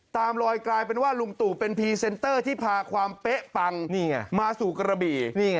ลอยกลายเป็นว่าลุงตู่เป็นพรีเซนเตอร์ที่พาความเป๊ะปังมาสู่กระบี่